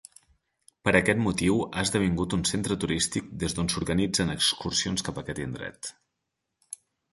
Per aquest motiu ha esdevingut un centre turístic des d'on s'organitzen excursions cap aquest indret.